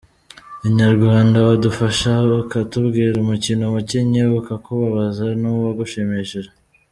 Inyarwanda: Wadufasha ukatubwira umukino wakinnye ukakubabaza n’uwagushimishije?.